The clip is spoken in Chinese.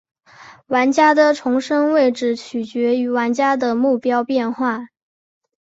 玩家的重生位置取决于玩家的目标变化。